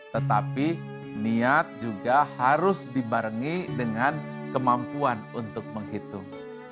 tetapi niat juga harus dibarengi dengan kemampuan untuk menghitung